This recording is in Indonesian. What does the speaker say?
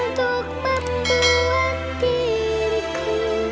untuk membuat diriku